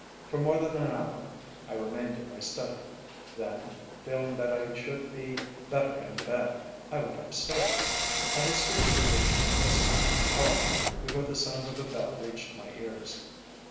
For more than an hour I remained in my study, then, feeling that I should be better in bed, I went upstairs. I had scarcely reached my dressing room, however, before the sound of a bell reached my ears.